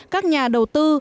các nhà đầu tư